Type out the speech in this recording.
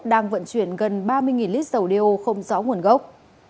đang vận chuyển gần ba mươi lít dầu đeo không rõ nguồn gốc